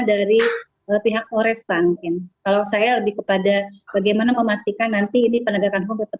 dari pihak orestanin kalau saya lebih kepada bagaimana memastikan nanti di penegakan hubungan